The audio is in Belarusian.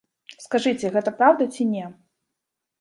Скажыце, гэта праўда ці не?